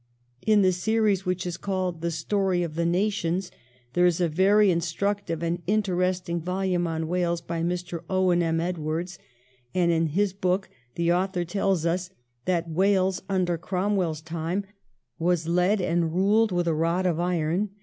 In the series which is called ' The Story of the Nations ' there is a very in structive and interesting volume on Wales by Mr. Owen M. Edwards, and in his book the author tells us that Wales during Cromwell's time •• was led and ruled with a rod of iron.